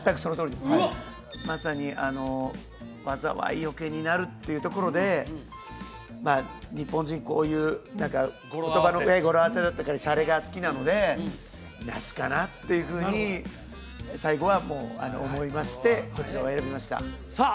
まさに災いよけになるっていうところでまあ日本人こういう言葉の語呂合わせだったりシャレが好きなので梨かなっていうふうに最後は思いましてこちらを選びましたさあ